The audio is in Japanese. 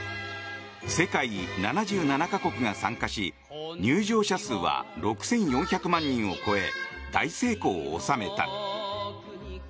世界７７か国が参加し入場者数は６４００万人を超え大成功を収めた。